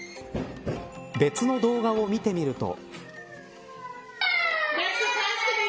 別の動画を見てみると。